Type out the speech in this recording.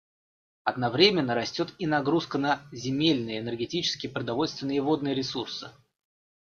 Одновременно растет и нагрузка на земельные, энергетические, продовольственные и водные ресурсы.